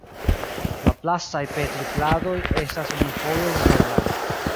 La plastaj Petri-pladoj estas unufoje uzeblaj.